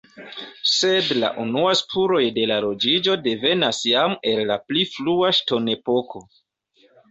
Sed la unuaj spuroj de la loĝigo devenas jam el la pli frua ŝtonepoko.